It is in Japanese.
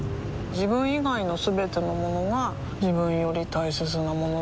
自分以外のすべてのものが自分より大切なものだと思いたい